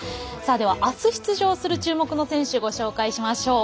あす出場する注目の選手ご紹介しましょう。